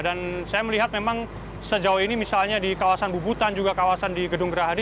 dan saya melihat memang sejauh ini misalnya di kawasan bubutan juga kawasan di gedung gerahadi